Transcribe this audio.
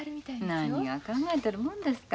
何が考えてるもんですか。